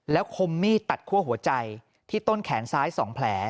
แล้วคมมีดตัดคั่วหัวใจที่ต้นแขนซ้าย๒แผล